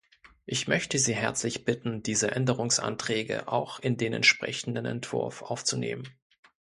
Ich möchte Sie herzlich bitten, diese Änderungsanträge auch in den entsprechenden Entwurf aufzunehmen.